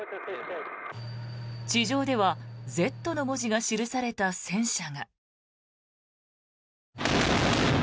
地上では「Ｚ」の文字が記された戦車が。